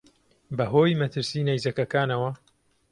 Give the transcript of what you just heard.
بە هۆی مەترسیی نەیزەکەکانەوە